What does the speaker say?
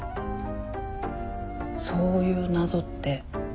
そういう謎って